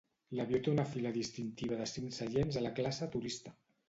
L'avió té una fila distintiva de cinc seients a la classe turista.